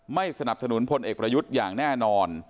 ไม่สนับสนุนพลเอกประยุทธ์อย่างแน่นอน